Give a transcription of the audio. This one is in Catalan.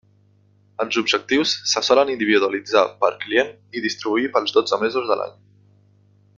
Els objectius se solen individualitzar per client i distribuir pels dotze mesos de l'any.